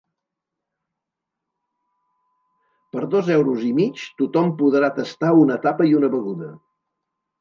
Per dos euros i mig, tothom podrà tastar una tapa i una beguda.